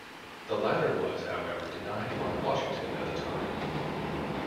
The latter was, however, denied by Washington at the time.